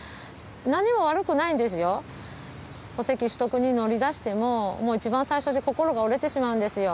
何も悪くないんですよ戸籍取得に乗りだしても一番最初で心が折れてしまうんですよ